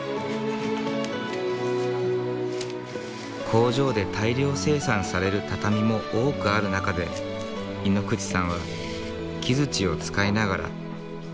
工場で大量生産される畳も多くある中で井ノ口さんは木づちを使いながら手で感触を見極め直していく。